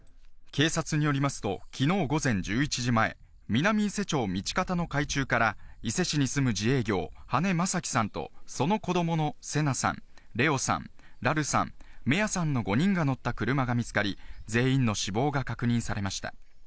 警察によりますと、きのう午前１１時前、南伊勢町道方の海中から伊勢市に住む自営業・羽根正樹さんと、その子どもの聖夏さん、怜皇さん、蘭琉さん、芽杏さんの５人が乗った車が見つかり、全員の死亡が確認されました。